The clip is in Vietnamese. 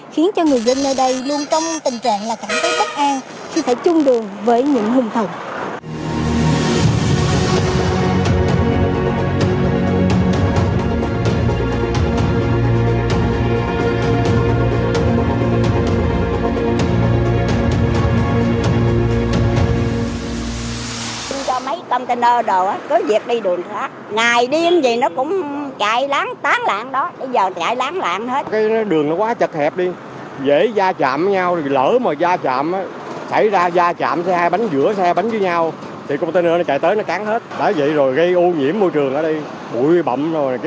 khiến cho người dân nơi đây luôn trong tình trạng là cảm thấy bất an khi phải chung đường với những hùng thần